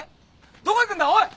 どこ行くんだおい。